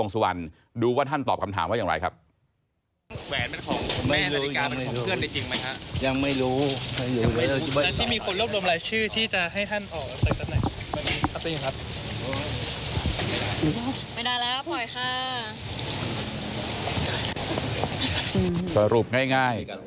สรุปง่าย